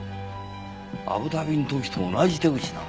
アブダビの時と同じ手口だな。